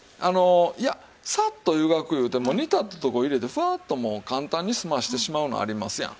いやさっと湯がくいうても煮立ったとこに入れてふわっともう簡単に済ましてしまうのありますやん。